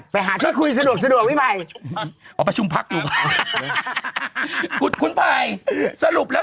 ไปหาตั้งคุณภัยคุณภัยคุยสะดวก